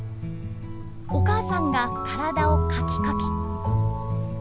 お母さんが体をかきかき。